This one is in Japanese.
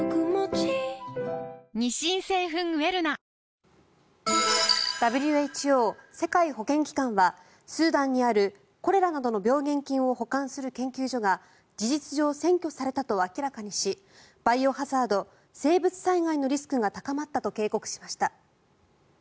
ニトリＷＨＯ・世界保健機関はスーダンにある、コレラなどの病原菌を保管する研究所が事実上、占拠されたと明らかにしバイオハザード生物災害のリスクが高まったと警告しました。